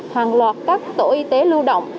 hàng loạt các tổ y tế lưu động